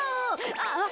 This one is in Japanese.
あっ！